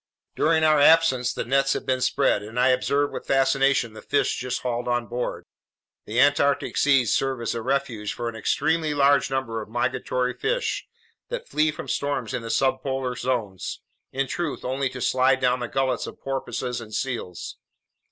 During our absence the nets had been spread, and I observed with fascination the fish just hauled on board. The Antarctic seas serve as a refuge for an extremely large number of migratory fish that flee from storms in the subpolar zones, in truth only to slide down the gullets of porpoises and seals.